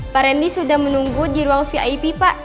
pak randy sudah menunggu di ruang vip pak